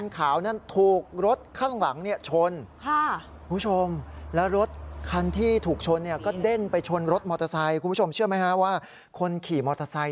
คุณดูจังหวะมอเตอร์ไซค์เขาขี่มาดี